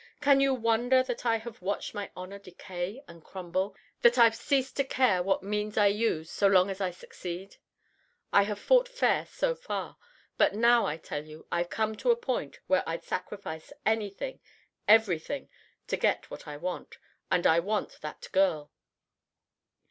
Can you wonder that I have watched my honor decay and crumble? that I've ceased to care what means I use so long as I succeed? I have fought fair so far, but now, I tell you, I've come to a point where I'd sacrifice anything, everything to get what I want and I want that girl."